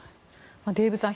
デーブさん